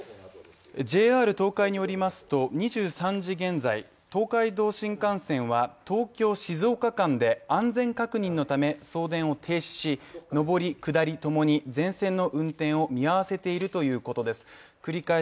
ＪＲ東海によりますと２３時現在東海道新幹線は東京−静岡で安全確認のため送電を停止し上り・下りともに全線の運転を見合わせているということです。